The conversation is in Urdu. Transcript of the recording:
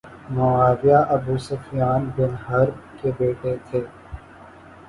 معاویہ ابوسفیان بن حرب کے بیٹے تھے